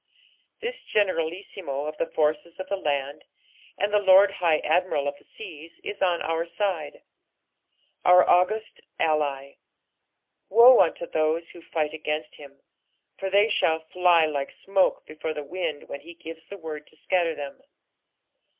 This Generalissimo of the forces of the land, and the Lord High Admiral of the seas, ia on our side — our august ally ; woe unto ihoae who 6ght against him, for they shall fly like smoke before the wind when he gives the word to scatter them.